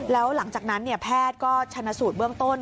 แล้วหลังจากนั้นแพทย์ก็ชนะสูตรเบื้องต้น